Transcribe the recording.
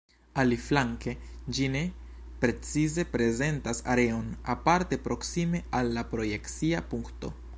Aliflanke, ĝi ne precize prezentas areon, aparte proksime al la projekcia punkto.